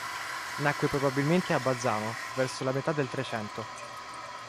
Nacque probabilmente a Bazzano verso la metà del Trecento.